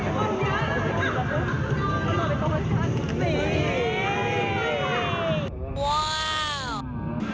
ขอบรรยาก่อนไม่มีใครเล่นขาเราอยู่ค่ะ